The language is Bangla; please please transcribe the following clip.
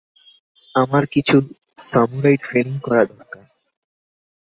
আমার কিছু সামুরাই ট্রেনিং করা দরকার।